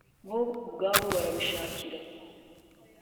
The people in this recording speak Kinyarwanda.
bo ubwabo barabishakira